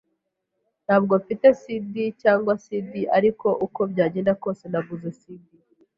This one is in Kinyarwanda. Ntabwo mfite CD ya CD, ariko uko byagenda kose naguze CD.